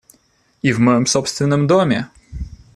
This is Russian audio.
И в моем собственном доме!